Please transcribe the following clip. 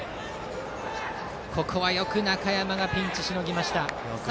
ここはよく中山がピンチしのぎました。